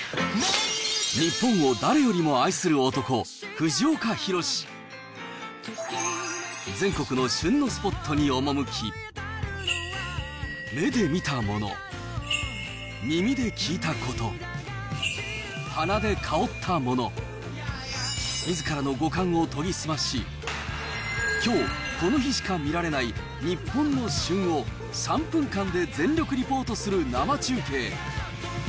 日本を誰よりも愛する男、藤岡弘、全国の旬のスポットに赴き、目で見たもの、耳で聴いたこと、鼻で香ったもの、みずからの五感を研ぎ澄まし、きょうこの日しか見られない日本の旬を、３分間で全力リポートする生中継。